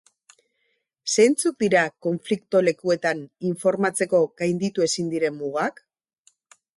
Zeintzuk dira konflikto lekuetan informatzeko gainditu ezin diren mugak?